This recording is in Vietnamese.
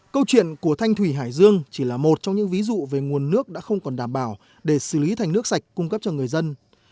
câu chuyện của thanh thủy hải dương chỉ là một trong những ví dụ về nguồn nước đã không còn đảm bảo để xử lý thành nước sạch cung cấp cho người dân